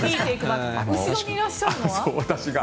後ろにいらっしゃるのは？